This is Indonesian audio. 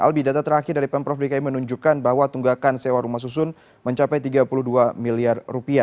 albi data terakhir dari pemprov dki menunjukkan bahwa tunggakan sewa rumah susun mencapai rp tiga puluh dua miliar